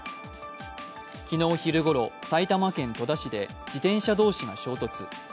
昨日昼ごろ、埼玉県戸田市で自転車同士が衝突。